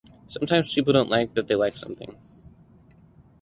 Sometimes people don’t like that they like something